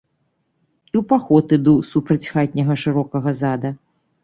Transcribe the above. І ў паход іду супраць хатняга шырокага зада.